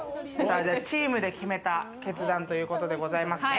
チームで決めた決断ということでございますね。